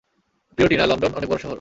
প্রিয় Tina, London অনেক বড় শহর।